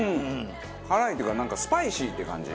辛いっていうかなんかスパイシーって感じ。